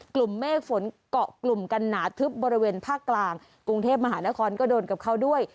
กลุ่มเมฆฝนเกาะกลุ่มกันหนาทึบบริเวณภาคกลางกรุงเทพมหานครก็โดนกับเขาด้วย